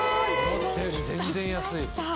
思ったより全然安い。